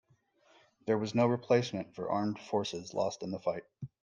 There was no replacement for armed forces lost in the fight.